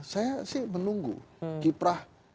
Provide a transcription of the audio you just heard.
saya sih menunggu kiprah